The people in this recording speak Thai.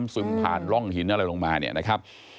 ซึมผ่านร่องหินอะไรลงมา